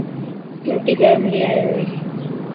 روٽي گرم لي آيو هي.